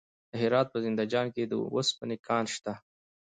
د هرات په زنده جان کې د وسپنې کان شته.